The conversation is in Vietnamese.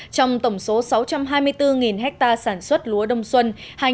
trong tổng số sáu trăm hai mươi bốn hectare sản xuất lúa đông xuân hai nghìn một mươi bảy hai nghìn một mươi tám